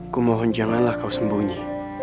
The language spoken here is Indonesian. ku mohon janganlah kau sembunyi